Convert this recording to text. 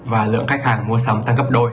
và lượng khách hàng mua sắm tăng gấp đôi